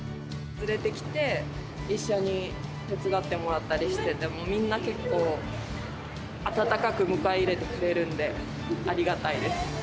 連れてきて、一緒に手伝ってもらったりしてても、みんな結構、温かく迎え入れてくれるんで、ありがたいです。